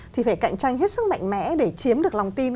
thì phải cạnh tranh hết sức mạnh mẽ để chiếm được lòng tin